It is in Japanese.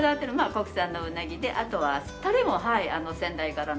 国産のうなぎであとはタレも先代からの。